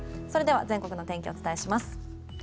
それでは全国の天気をお伝えします。